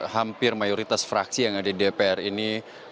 hampir mayoritas fraksi yang ada di dpr ini